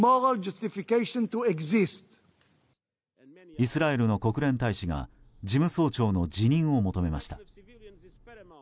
イスラエルの国連大使が事務総長の辞任を求めました。